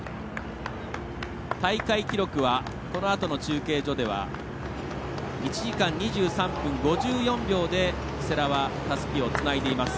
大会記録はこのあとの中継所では１時間２３分５４秒で、世羅はたすきをつないでいます。